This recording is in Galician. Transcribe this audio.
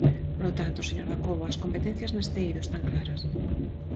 Polo tanto, señor Dacova, as competencias neste eido están claras.